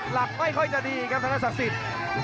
หลักไม่ค่อยจะดีครับทางนี้ศักดิ์สิทธิ์